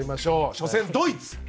初戦、ドイツ。